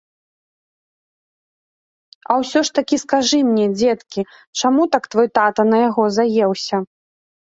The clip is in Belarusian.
А ўсё ж такі, скажы мне, дзеткі, чаму так твой тата на яго заеўся?